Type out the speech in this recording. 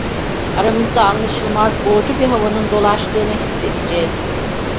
Aramızda anlaşılmaz, boğucu bir havanın dolaştığını hissedeceğiz.